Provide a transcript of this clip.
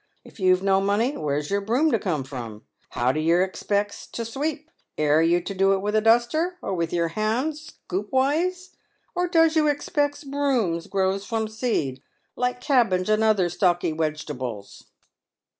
If you've no money, where' s your broom to come from ? How do yer expex to sweep ? Aire you to do it with a duster, or with, your hand, scoopways ? or does you expex brooms grows from seed, like cabbage and other stalky wegetables